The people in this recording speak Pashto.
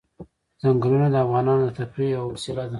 ځنګلونه د افغانانو د تفریح یوه وسیله ده.